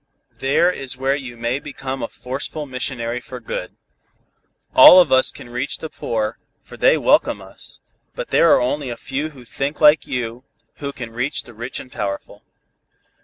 There is where you may become a forceful missionary for good. All of us can reach the poor, for they welcome us, but there are only a few who think like you, who can reach the rich and powerful.